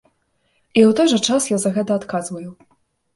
І ў той жа час я за гэта адказваю.